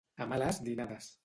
A males dinades.